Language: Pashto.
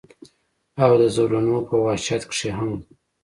او د زولنو پۀ وحشت کښې هم